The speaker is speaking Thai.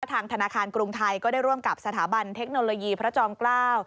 ทางธนาคารกรุงไทยก็ได้ร่วมกับสถาบันเทคโนโลยีพระจอมเกล้า